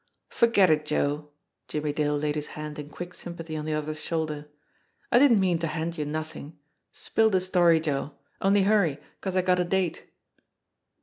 "Forget it, Joe!" Jimmie Dale laid his hand in quick sympathy on the other's shoulder. "I didn't mean to hand you nothing. Spill the story, Joe only hurry, 'cause I got a date."